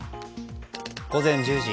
午前１０時。